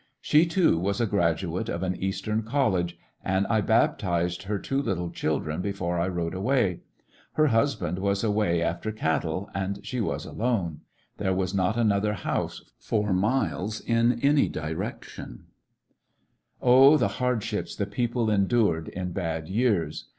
She, too, was a graduate of an Eastern college, and I baptized her two little children before I rode away. Her husband was away after cat tle and she was alone. There was not another honse for miles in any direction It all depends Oh, the hardships the people endured in bad years